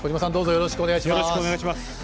よろしくお願いします。